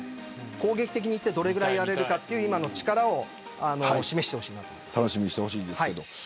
攻撃的にいってどれぐらいやれるか今の力を示してほしいです。